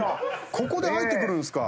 ここで入ってくるんですか。